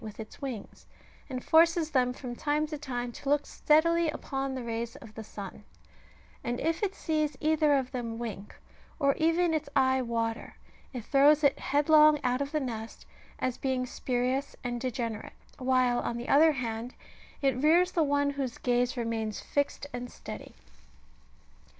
with its wings, and forces ^ them from time to time to look steadily upon the rays of the sun ; and if it sees either of them wink, or even its eye water, it throws it headlong out of the nest, as being spurious and degenerate, while, on the other hand, it rears the one whose gaze remains fixed and steady.